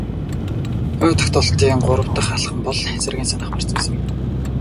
Ой тогтоолтын гурав дахь алхам бол сэргээн санах процесс юм.